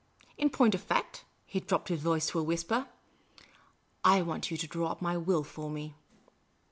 In point of fact," he dropped his voice to a whisper, " I want you to draw up my will for me."